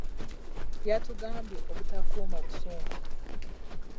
Yatugambye obutakuuma busungu.